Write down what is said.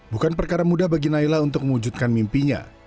bukan perkara mudah bagi naila untuk mewujudkan mimpinya